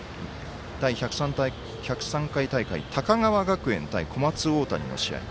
第１０３回大会高川学園対小松大谷の試合。